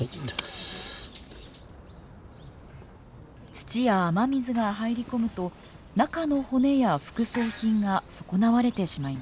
土や雨水が入り込むと中の骨や副葬品が損なわれてしまいます。